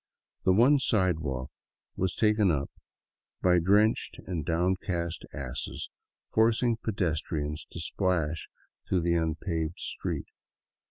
The one sidewalk was taken up by drenched and downcast asses, forcing pedestrains to splash through the unpaved street.